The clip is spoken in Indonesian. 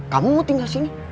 kamu mau tinggal sini